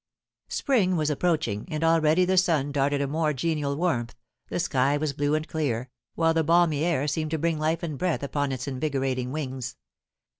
Spring was approaching, and already the sun darted a more genial warmth, the sky was blue and clear, while the balmy air seemed to bring life and breath upon its invigorating wings.